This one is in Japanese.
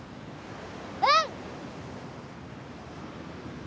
うん！